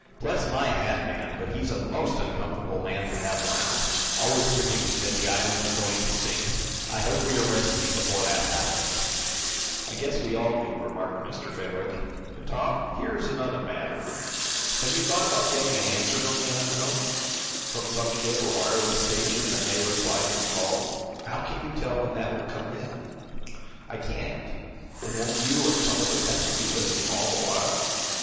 "Bless my hat band, but he's a MOST uncomfortable man to have around; always predicting that the island is going to sink! I hope we are rescued before that happens." "I guess we all do," remarked Mr. Fenwick. "But, Tom, here is another matter. Have you thought about getting an answer from the unknown from some ship or wireless station, that may reply to your calls? How can you tell when that will come in?" "I can't." "Then won't you or some of us, have to be listening all the while?"